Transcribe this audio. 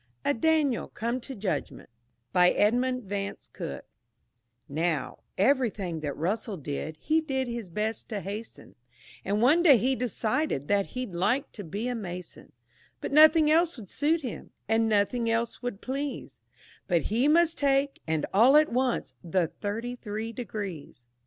A DANIEL COME TO JUDGMENT BY EDMUND VANCE COOKE Now, everything that Russell did, he did his best to hasten, And one day he decided that he'd like to be a Mason; But nothing else would suit him, and nothing less would please, But he must take, and all at once, the thirty three degrees.